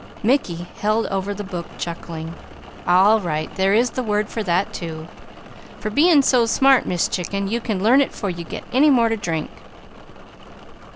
Mickey held over the book chuckling. "All right! There is the word for that, too. For being so smart, Miss Chicken, you can learn it 'fore you get any more to drink.